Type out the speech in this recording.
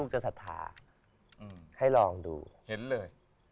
ให้ลองดูเห็นเลย